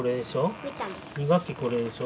１学期これでしょ。